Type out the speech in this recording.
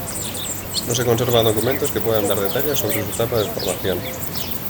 No se conservan documentos que puedan dar detalles sobre su etapa de formación.